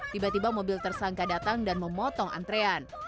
tiba tiba mobil tersangka datang dan memotong antrean